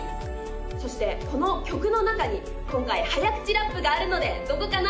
そしてこの曲の中に今回早口ラップがあるのでどこかな？